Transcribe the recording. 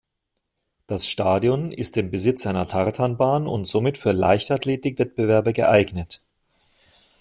Das Stadion ist im Besitz einer Tartanbahn und somit für Leichtathletikwettbewerbe geeignet.